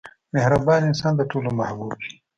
• مهربان انسان د ټولو محبوب وي.